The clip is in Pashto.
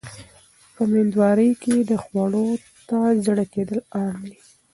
په مېندوارۍ کې خواړو ته زړه کېدل عام دي.